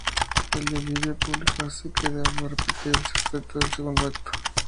El delirio del público hace que se deba repetir el sexteto del segundo acto.